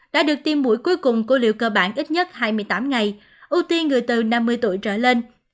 đã được tiêm mũi cuối cùng của liệu cơ bản ít nhất hai mươi tám ngày ưu tiên người từ năm mươi tuổi trở lên